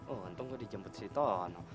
untung gue dijemput si tono